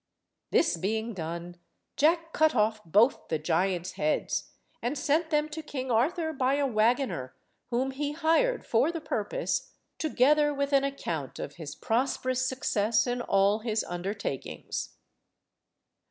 This being done, Jack cut off both the giants' heads and sent them to King Arthur by a wagoner whom he hired for the purpose, together with an account of his prosperous success in all his undertakings.